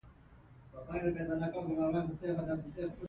شفاهي روایت نقل سوی دی.